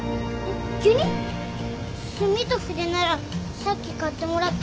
墨と筆ならさっき買ってもらったのが。